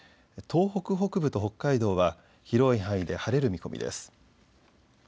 東北北部と北海道は広い範囲で晴れる見込みです。